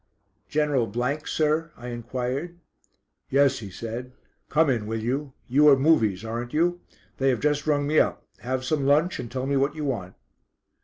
"General , sir?" I enquired. "Yes," he said; "come in, will you? You are 'Movies,' aren't you? They have just rung me up. Have some lunch and tell me what you want."